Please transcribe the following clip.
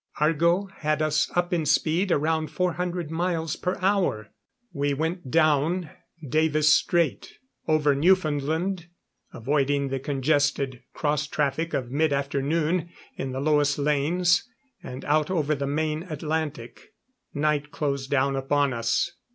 Argo had us up in speed around four hundred miles per hour. We went down Davis Strait, over Newfoundland, avoiding the congested cross traffic of mid afternoon in the lowest lanes, and out over the main Atlantic. Night closed down upon us.